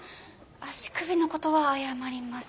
足首のことは謝ります。